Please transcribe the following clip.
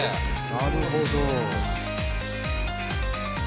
「なるほど」